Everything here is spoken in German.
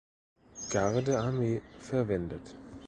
Gardearmee verwendet.